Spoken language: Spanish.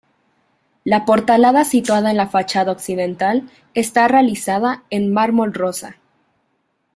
La portalada situada en la fachada occidental está realizada en mármol rosa.